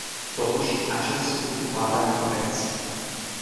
Totuși, acest lucru va avea un preț.